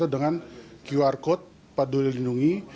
dengan qr code peduli lindungi